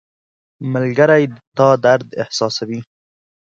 • ملګری د تا درد احساسوي.